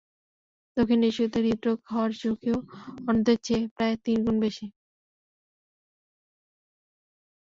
দক্ষিণ এশীয়দের হৃদ্রোগ হওয়ার ঝুঁকিও অন্যদের চেয়ে প্রায় তিন গুণ বেশি।